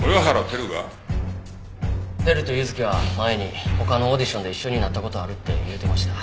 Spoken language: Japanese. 輝とユズキは前に他のオーディションで一緒になった事あるって言うてました。